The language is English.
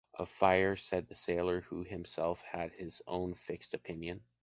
Of fire, said the sailor who himself had his own fixed opinion.